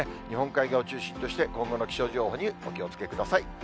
日本海側を中心として、今後の気象情報にお気をつけください。